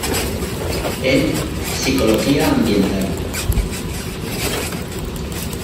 En: Psicología ambiental.